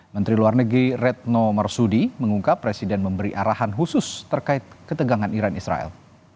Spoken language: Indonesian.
menteri luar negeri retno marsudi mengungkap presiden memberi arahan khusus terkait ketegangan iran israel